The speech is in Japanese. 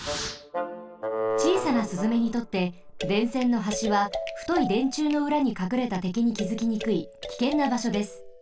ちいさなスズメにとって電線のはしはふといでんちゅうのうらにかくれたてきにきづきにくいきけんなばしょです。